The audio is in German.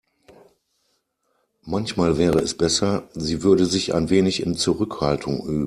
Manchmal wäre es besser, sie würde sich ein wenig in Zurückhaltung üben.